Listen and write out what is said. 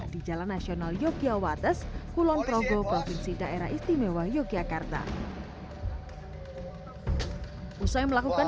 dua ribu dua puluh tiga di jalan nasional yogyakarta kulonprogo provinsi daerah istimewa yogyakarta usai melakukan